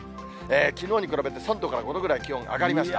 きのうに比べて３度から５度くらい気温が上がりました。